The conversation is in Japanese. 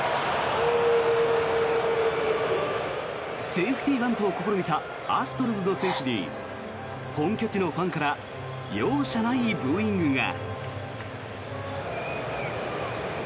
セーフティーバントを試みたアストロズの選手に本拠地のファンから容赦ないブーイングが。